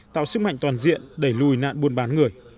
tạo sức mạnh toàn diện đẩy lùi nạn buôn bán người